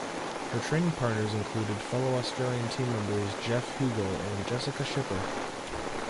Her training partners included fellow Australian team members, Geoff Huegill and Jessicah Schipper.